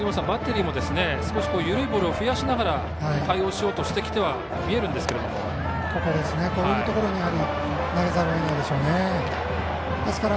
バッテリーも少し緩いボールを増やしながら対応しようとしてきてはああいうところに